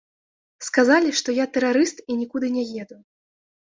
Сказалі, што я тэрарыст і нікуды не еду.